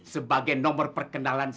sebagai nomor perkenalan